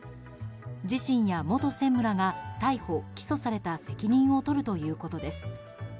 自身や元専務らが逮捕・起訴された責任を取るということです。